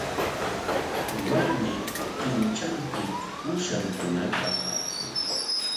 Warmi qintranpik uushankunata qarqun.